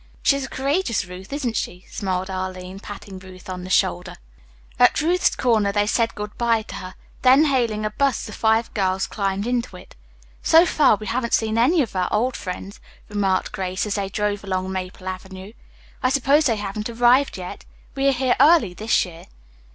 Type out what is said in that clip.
"She's a courageous Ruth, isn't she?" smiled Arline, patting Ruth on the shoulder. At Ruth's corner they said good bye to her. Then hailing a bus the five girls climbed into it. "So far we haven't seen any of our old friends," remarked Grace as they drove along Maple Avenue. "I suppose they haven't arrived yet. We are here early this year."